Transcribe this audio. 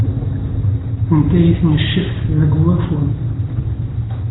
Tenta-iyi tneccabt deg wafud.